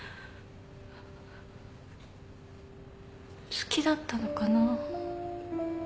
好きだったのかな。